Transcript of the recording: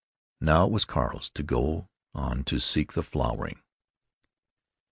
Now, it was Carl's to go on, to seek the flowering.